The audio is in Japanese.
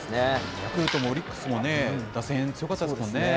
ヤクルトもオリックスも打線、すごかったですもんね。